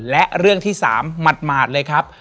และเรื่องที่๓หมาดเลยครับ